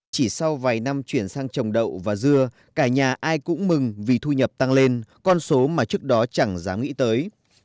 chỉ sau vài năm chuyển sang trồng đậu và dưa cả nhà ai cũng mừng vì thu nhập tăng lên con số mà trước đó chẳng dám nghĩ tới